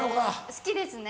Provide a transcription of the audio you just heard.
好きですね。